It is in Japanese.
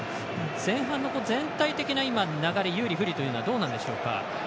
前半の全体的な流れ有利、不利というのはどうなんでしょうか？